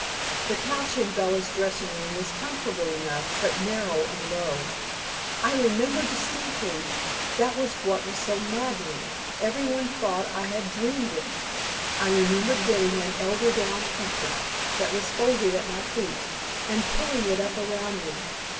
The couch in Bella's dressing room was comfortable enough, but narrow and low. I remember distinctly (that was what was so maddening; everybody thought I dreamed it) I remember getting an eiderdown comfort that was folded at my feet, and pulling it up around me.